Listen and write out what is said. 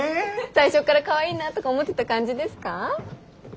最初からかわいいなとか思ってた感じですか？